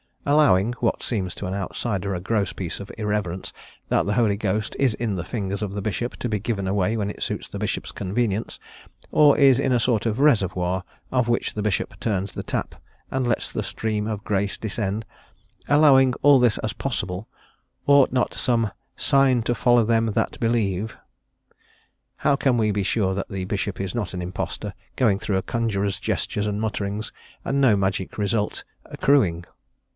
Allowing what seems to an outsider a gross piece of irreverence that the Holy Ghost is in the fingers of the Bishop to be given away when it suits the Bishop's convenience, or is in a sort of reservoir, of which the Bishop turns the tap and lets the stream of grace descend allowing all this as possible, ought not some "sign to follow them that believe"? How can we be sure that the Bishop is not an impostor, going through a conjuror's gestures and mutterings, and no magic results accruing?